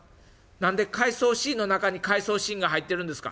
何で回想シーンの中に回想シーンが入ってるんですか」。